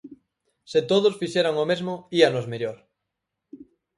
Se todos fixeran o mesmo, íanos mellor.